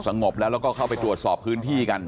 งบแล้วแล้วก็เข้าไปตรวจสอบพื้นที่กัน